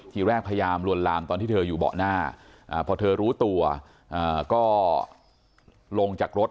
ทีแรกพยายามลวนลามตอนที่เธออยู่เบาะหน้าพอเธอรู้ตัวก็ลงจากรถ